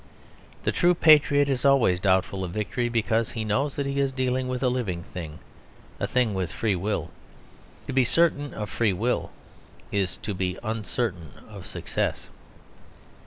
The true patriot is always doubtful of victory; because he knows that he is dealing with a living thing; a thing with free will. To be certain of free will is to be uncertain of success.